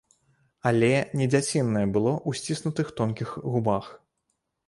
Але не дзяцінае было ў сціснутых тонкіх губах.